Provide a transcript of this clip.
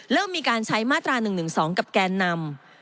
เริ่มมีการใช้มาตรา๑๑๒กับแกนนำ